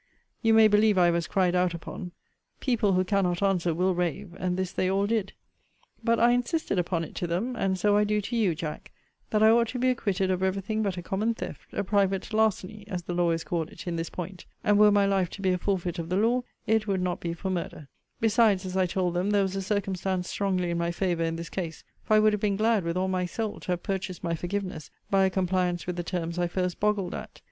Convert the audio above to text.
You may believe I was cried out upon. People who cannot answer, will rave: and this they all did. But I insisted upon it to them, and so I do to you, Jack, that I ought to be acquitted of every thing but a common theft, a private larceny, as the lawyers call it, in this point. And were my life to be a forfeit of the law, it would not be for murder. Besides, as I told them, there was a circumstance strongly in my favour in this case: for I would have been glad, with all my soul, to have purchased my forgiveness by a compliance with the terms I first boggled at.